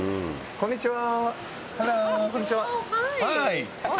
こんにちは。